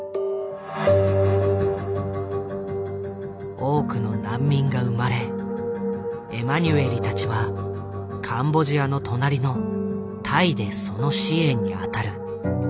多くの難民が生まれエマニュエリたちはカンボジアの隣のタイでその支援に当たる。